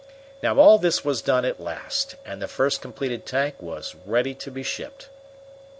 Now all this was done at last, and the first completed tank was ready to be shipped.